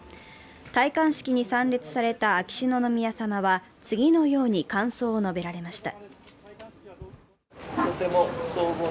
戴冠式に参列された秋篠宮さまは次のように感想を述べられました。